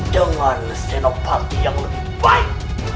dengan senoparti yang lebih baik